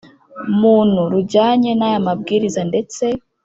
muntu rujyanye n aya mabwiriza ndetse